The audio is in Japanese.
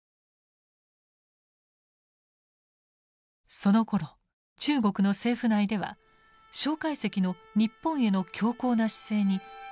そのころ中国の政府内では介石の日本への強硬な姿勢に反発が強まっていました。